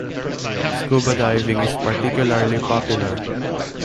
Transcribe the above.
Scuba diving is particularly popular.